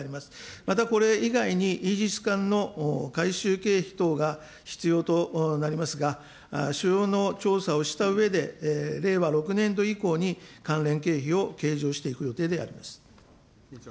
またこれ以外に、イージス艦の改修経費等が必要となりますが、所要の調査をしたうえで、令和６年度以降に関連経費を計上していく予定であります。